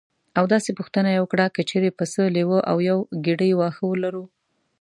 او داسې پوښتنه یې وکړه: که چېرې پسه لیوه او یوه ګېډۍ واښه ولرو.